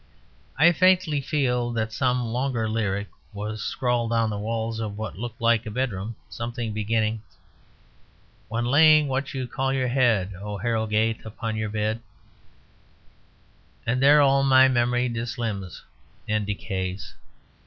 I faintly feel that some longer lyric was scrawled on the walls of what looked like a bedroom, something beginning: When laying what you call your head, O Harrogate, upon your bed, and there all my memory dislimns and decays.